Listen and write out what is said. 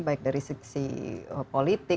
baik dari sisi politik